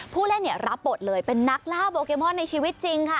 ผู้เล่นเนี่ยรับบทเลยเป็นนักล่าโบเกมอนในชีวิตจริงค่ะ